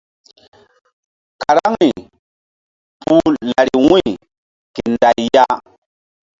Karaŋri puh lari wu̧y ke nday ya.